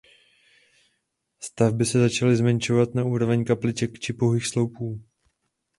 Stavby se začaly zmenšovat na úroveň kapliček či pouhých sloupů.